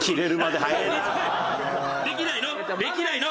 できないの？